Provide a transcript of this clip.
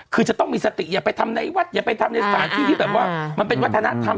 คือจะต้องมีสติอย่าไปทำในวัดอย่าไปทำในสถานที่ที่แบบว่ามันเป็นวัฒนธรรม